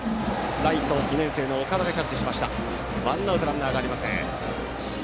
ライトの２年生、岡田がキャッチしてワンアウトランナーはありません。